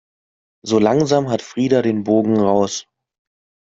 So langsam hat Frida den Bogen raus.